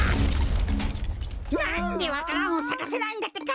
なんでわか蘭をさかせないんだってか！